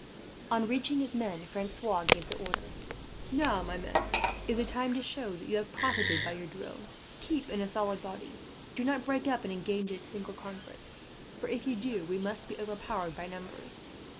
On reaching his men Francois gave the order: "Now, my men, is the time to show that you have profited by your drill. Keep in a solid body. Do not break up and engage in single conflicts for, if you do, we must be overpowered by numbers.